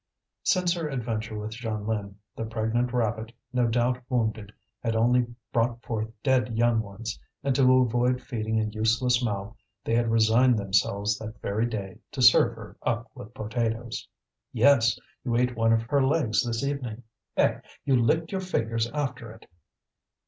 Since her adventure with Jeanlin, the pregnant rabbit, no doubt wounded, had only brought forth dead young ones; and to avoid feeding a useless mouth they had resigned themselves that very day to serve her up with potatoes. "Yes, you ate one of her legs this evening. Eh! You licked your fingers after it!"